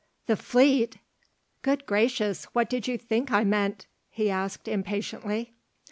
"The fleet!" "Good gracious! What did you think I meant?" he asked impatiently.